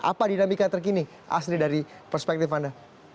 apa dinamika terkini asri dari perspektif anda